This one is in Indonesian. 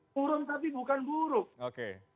turun tapi bukan buruk